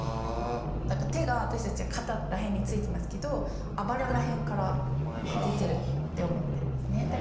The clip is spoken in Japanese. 何か手が私たちは肩ら辺についてますけどあばらら辺から出てるって思ってるんですね。